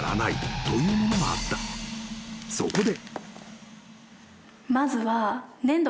［そこで］